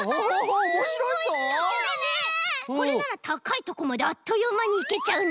これならたかいとこまであっというまにいけちゃうね！